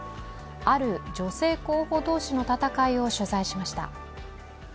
ある女性候補同士の戦いを取材しました。